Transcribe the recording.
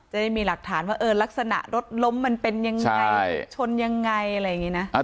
จะได้มีหลักฐานว่าลักษณะรถล้มมันเป็นยังไงชนยังไงอะไรอย่างนี้นะ